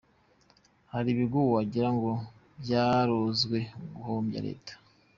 Hari ibigo wagira ngo byarozwe guhombya leta.